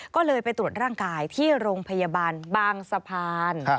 ก็เลยไปตรวจร่างกายที่โรงพยาบาลบางสะพาน